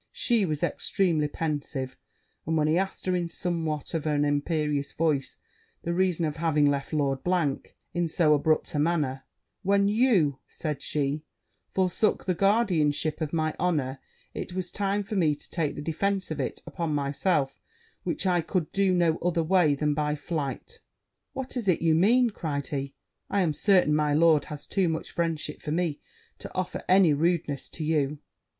She was extremely pensive; and when he asked her, in somewhat of an imperious voice, the reason of having left Lord in so abrupt a manner 'When you,' said she, 'forsook the guardianship of my honour, it was time for me to take the defence of it upon myself; which I could do no other way than by flight.' 'What is it you mean?' cried he. 'I am certain my lord has too much friendship for me to offer any rudeness to you.'